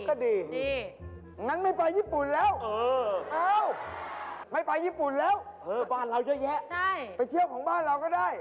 ก็ดีงั้นไม่ไปญี่ปุ่นแล้วไม่ไปญี่ปุ่นแล้วไปเที่ยวของบ้านเราก็ได้